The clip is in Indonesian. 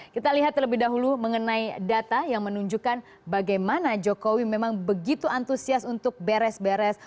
kita lihat terlebih dahulu mengenai data yang menunjukkan bagaimana jokowi memang begitu antusias untuk beres beres